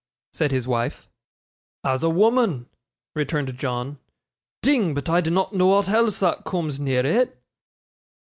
said his wife. 'As a woman,' returned John. 'Ding! But I dinnot know ought else that cooms near it.